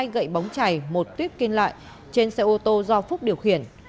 hai gậy bóng chảy một tuyết kênh lại trên xe ô tô do phúc điều khiển